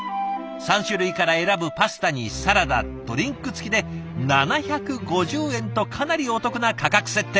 ３種類から選ぶパスタにサラダドリンク付きで７５０円とかなりお得な価格設定。